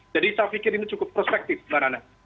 jadi saya pikir ini cukup prospektif barana